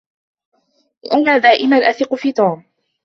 انا دائما اثق في توم